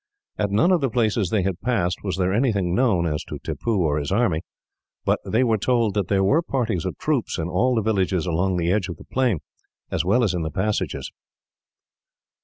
At none of the places they had passed was there anything known, as to Tippoo or his army, but they were told that there were parties of troops, in all the villages along the edge of the plain, as well as in the passes.